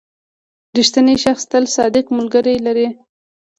• رښتینی شخص تل صادق ملګري لري.